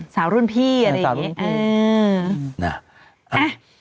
สาวรุ่นพี่สาวรุ่นพี่